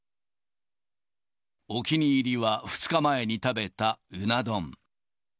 お気に入りは、２日前に食べたうな丼。